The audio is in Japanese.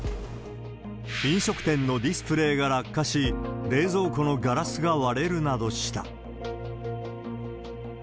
飲食店のディスプレーが落下し、冷蔵庫のガラスが割れるなどした。